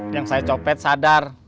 yang saya copet sadar